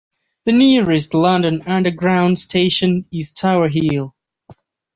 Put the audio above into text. The nearest London Underground station is Tower Hill.